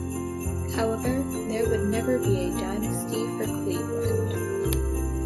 However, there would never be a dynasty for Cleveland.